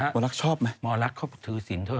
หมอลักษณ์ชอบไหมหมอลักษณ์เขาถือสินเถอะ